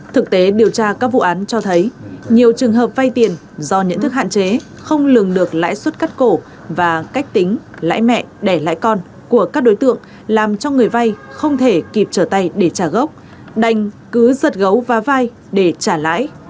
thực tế điều tra các vụ án cho thấy nhiều trường hợp vay tiền do nhận thức hạn chế không lường được lãi suất cắt cổ và cách tính lãi mẹ đẻ lãi con của các đối tượng làm cho người vay không thể kịp trở tay để trả gốc đành cứ giật gấu vá vai để trả lãi